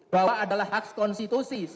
bahwa adalah hak konstitusi